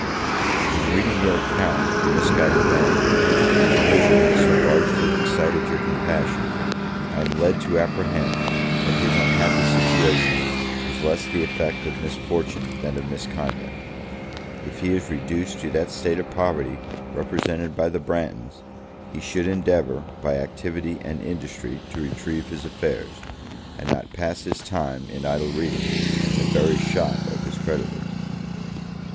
In reading your account of the misguided man, whose misery has so largely excited your compassion, I am led to apprehend that his unhappy situation is less the effect of misfortune than of misconduct. If he is reduced to that state of poverty represented by the Branghtons, he should endeavour, by activity and industry, to retrieve his affairs, and not pass his time in idle reading in the very shop of his creditor.